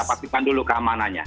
kita pastikan dulu keamanannya